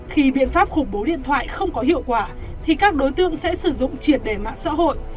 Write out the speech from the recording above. khi biện pháp khủng bố điện thoại không có hiệu quả thì các đối tượng sẽ sử dụng triệt đề mạng xã hội